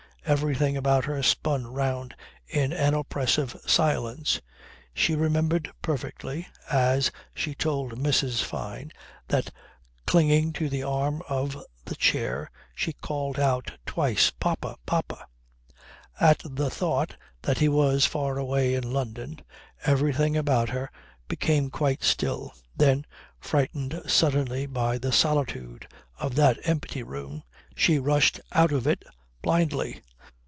Everything about her spun round in an oppressive silence. She remembered perfectly as she told Mrs. Fyne that clinging to the arm of the chair she called out twice "Papa! Papa!" At the thought that he was far away in London everything about her became quite still. Then, frightened suddenly by the solitude of that empty room, she rushed out of it blindly.